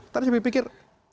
tadi saya berpikir